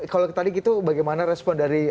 kalau tadi gitu bagaimana respon dari